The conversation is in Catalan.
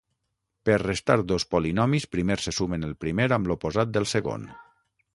Per restar dos polinomis, primer se sumen el primer amb l'oposat del segon.